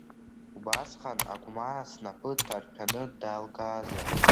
Убасҟан Агәмаа снапы ҭартәаны далгазаап.